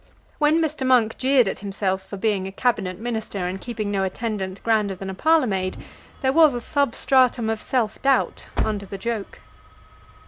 When Mr. Monk jeered at himself for being a Cabinet Minister and keeping no attendant grander than a parlour maid, there was a substratum of self doubt under the joke.